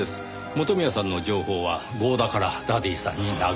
元宮さんの情報は合田からダディさんに流れた。